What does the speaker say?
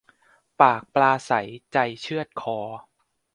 ปากปราศรัยใจเชือดคอ